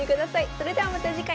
それではまた次回。